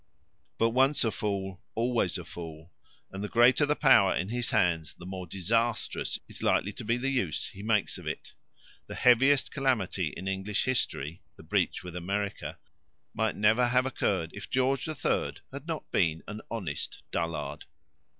But once a fool always a fool, and the greater the power in his hands the more disastrous is likely to be the use he makes of it. The heaviest calamity in English history, the breach with America, might never have occurred if George the Third had not been an honest dullard.